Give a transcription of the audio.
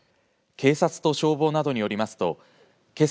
警察と消防などによりますとけさ